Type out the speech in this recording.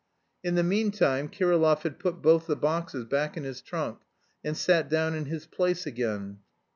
In the meantime Kirillov had put both the boxes back in his trunk, and sat down in his place again.